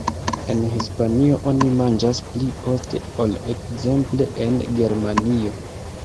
En Hispanio oni manĝas pli poste ol ekzemple en Germanio.